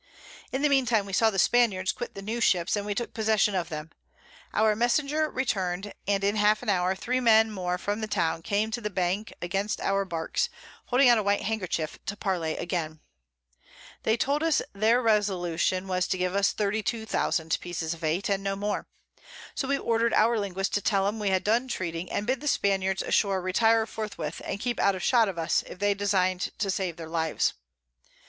In the mean time we saw the Spaniards quit the new Ships, and we took possession of them; our Messenger returned, and in half an hour 3 Men more from the Town came to the Bank against our Barks, holding out a white Handkerchief to parley again: They told us their Resolution was to give us 32000 Pieces of Eight, and no more; so we order'd our Linguist to tell 'em we had done treating, and bid the Spaniards ashore retire forthwith, and keep out of shot of us, if they design'd to save their Lives.